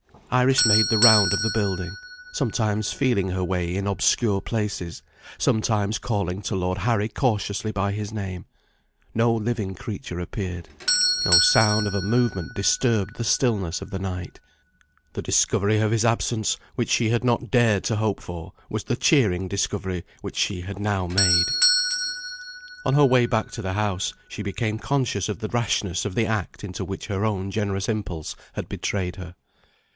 Iris made the round of the building; sometimes feeling her way in obscure places; sometimes calling to Lord Harry cautiously by his name. No living creature appeared; no sound of a movement disturbed the stillness of the night. The discovery of his absence, which she had not dared to hope for, was the cheering discovery which she had now made. On her way back to the house, she became conscious of the rashness of the act into which her own generous impulse had betrayed her.